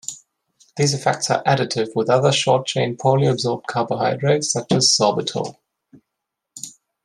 These effects are additive with other short-chain poorly absorbed carbohydrates such as sorbitol.